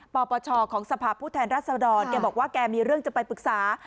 ปปชของสภาพผู้แทนรัศดรแกบอกว่าแกมีเรื่องจะไปปรึกษา